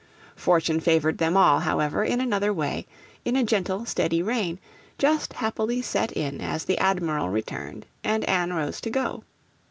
Fortune favoured them all, however, in another way, in a gentle, steady rain, just happily set in as the Admiral returned and Anne rose to go.